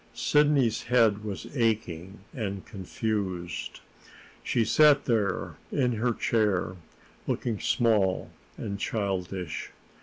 Sidney's head was aching and confused. She sat there in her chair, looking small and childish.